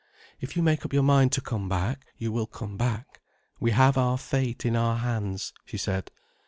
"If you make up your mind to come back, you will come back. We have our fate in our hands," she said.